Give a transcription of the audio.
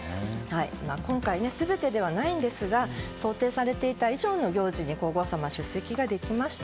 今回、全てではないんですが想定されていた以上の行事に皇后さま出席ができました。